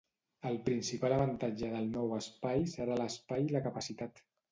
El principal avantatge del nou espai serà l'espai i la capacitat.